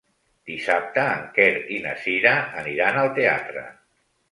Dissabte en Quer i na Cira aniran al teatre.